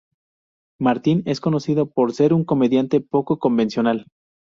Martin es conocido por ser un comediante poco convencional.